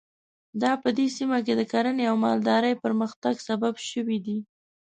دا په دې سیمه کې د کرنې او مالدارۍ پرمختګ سبب شوي دي.